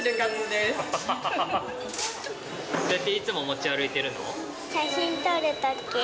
こうやっていつも持ち歩いて写真撮るとき。